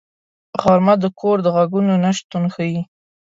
غرمه د کور د غږونو نه شتون ښيي